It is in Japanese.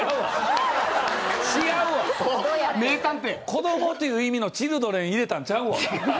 「子ども」っていう意味の「チルドレン」入れたんちゃうわ。